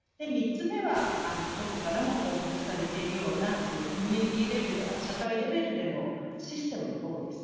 ３つ目は、どこからも報告されているようなコミュニティーレベル社会レベルでのシステムの保護。